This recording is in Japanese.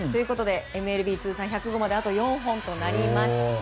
ＭＬＢ通算１００号まであと４本となりました。